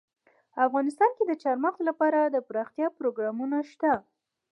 افغانستان کې د چار مغز لپاره دپرمختیا پروګرامونه شته.